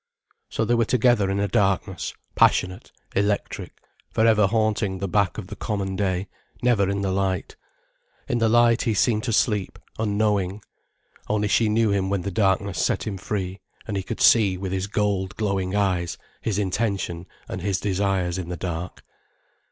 So they were together in a darkness, passionate, electric, for ever haunting the back of the common day, never in the light. In the light, he seemed to sleep, unknowing. Only she knew him when the darkness set him free, and he could see with his gold glowing eyes his intention and his desires in the dark.